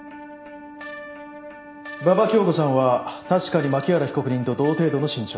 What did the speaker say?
馬場恭子さんは確かに槇原被告人と同程度の身長。